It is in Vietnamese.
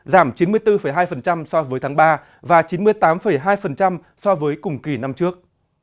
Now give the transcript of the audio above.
giảm chín mươi bốn hai so với tháng ba và chín mươi tám hai so với cùng kỳ năm trước